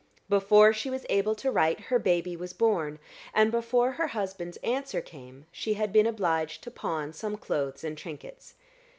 Before she was able to write, her baby was born; and before her husband's answer came, she had been obliged to pawn some clothes and trinkets.